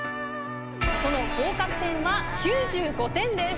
その合格点は９５点です。